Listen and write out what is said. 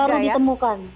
strain yang baru ditemukan